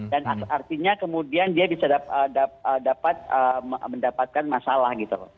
dan artinya kemudian dia bisa dapat mendapatkan masalah gitu loh